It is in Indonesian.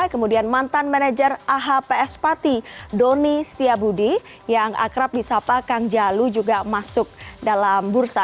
kemudian mantan manajer ahps pati doni setiabudi yang akrab di sapa kang jalu juga masuk dalam bursa